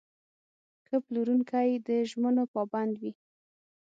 ښه پلورونکی د ژمنو پابند وي.